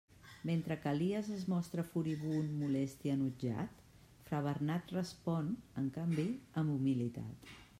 Mentre que Elies es mostra furibund, molest i enutjat, fra Bernat respon, en canvi, amb humilitat.